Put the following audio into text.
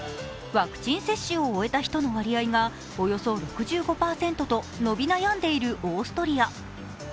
ワクチン接種を終えた人の割合がおよそ６５％と、伸び悩んでいるオーストリア。